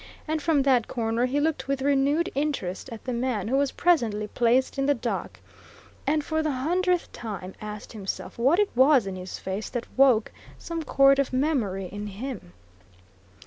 And from that corner he looked with renewed interest at the man who was presently placed in the dock, and for the hundredth time asked himself what it was in his face that woke some chord of memory in him.